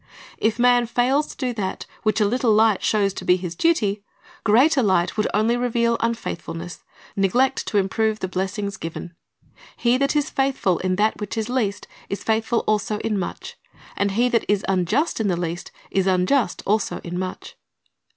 If man fails to do that which a little light shows to be his duty, greater light would only reveal ' John 12 19 1 1 266 Christ's Object Lessons unfaithfulness, neglect to improve the blessings given. "He that is faithful in that which is least is faithful also in much; and he that is unjust in the least is unjust also in much."'